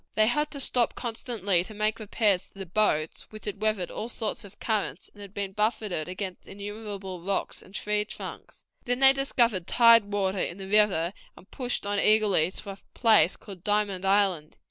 They had to stop constantly to make repairs to the boats, which had weathered all sorts of currents, and had been buffeted against innumerable rocks and tree trunks. Then they discovered tide water in the river, and pushed on eagerly to a place called Diamond Island.